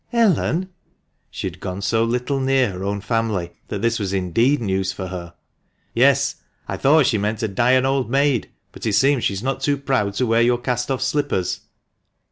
" Ellen ?" She had gone so little near her own family that this was indeed news for her. "Yes; I thought she meant to die an old maid, but it seems she's not too proud to wear your cast off slippers."